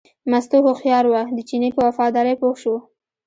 مستو هوښیاره وه، د چیني په وفادارۍ پوه شوه.